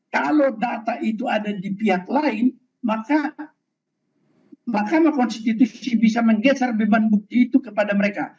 kalau data itu ada di pihak lain maka mahkamah konstitusi bisa menggeser beban bukti itu kepada mereka